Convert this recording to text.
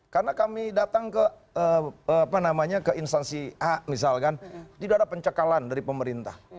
karena kami datang ke instansi a misalkan tidak ada pencegahan dari pemerintah